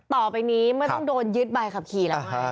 ต่อไปนี้ไม่ต้องโดนยึดใบขับขี่แล้วค่ะ